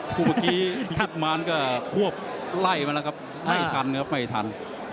เมื่อกี้เพชรมานก็ควบไล่มาแล้วครับไม่ทันครับไม่ทัน